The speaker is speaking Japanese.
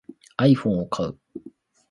iPhone を買う